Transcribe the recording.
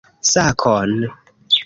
Sakon!